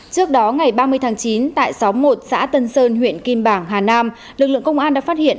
trước đó ngày ba mươi tháng chín tại xóm một xã tân sơn huyện kim bảng hà nam lực lượng công an đã phát hiện